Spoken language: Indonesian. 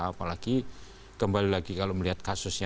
apalagi kembali lagi kalau melihat kasusnya